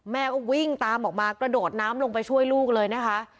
แม่ก็วิ่งตามออกมากระโดดน้ำลงไปช่วยลูกเลยนะคะ